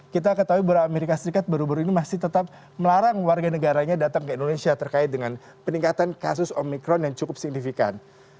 kita ketahui bahwa amerika serikat baru baru ini masih tetap melarang warga negaranya datang ke indonesia terkait dengan peningkatan kasus omikron yang cukup signifikan